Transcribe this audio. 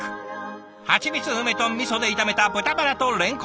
はちみつ梅とみそで炒めた豚バラと蓮根。